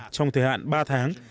trong thời hạn ba tháng